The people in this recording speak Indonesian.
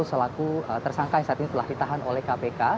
selaku tersangka yang saat ini telah ditahan oleh kpk